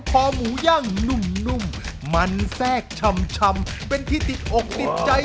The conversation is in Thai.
พอหมูย่างนุ่มมันแทรกชำเป็นที่ติดอกติดใจ